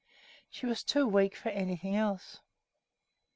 She was too weak for anything else.